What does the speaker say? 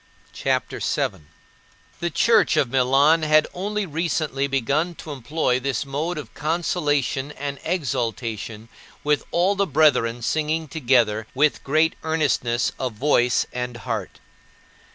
CHAPTER VII 15. The church of Milan had only recently begun to employ this mode of consolation and exaltation with all the brethren singing together with great earnestness of voice and heart.